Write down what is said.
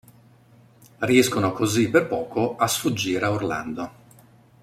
Riescono così per poco a sfuggire a Orlando.